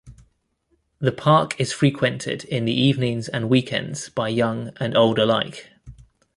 The park is frequented in the evenings and weekends by young and old alike.